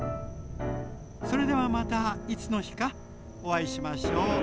それではまたいつの日かお会いしましょう。